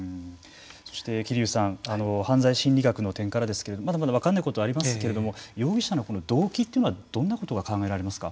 そして桐生さん犯罪心理学の点からですけれどもまだまだ分からないことはありますけれども容疑者の動機というのはどんなことが考えられますか。